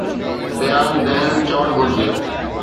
ببانگ دھل چوڻ گھرجي.